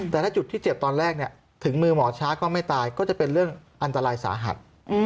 แต่ถ้าจุดที่เจ็บตอนแรกถึงมือหมอช้าก็ไม่ตายก็จะเป็นเรื่องอันตรายสาหัส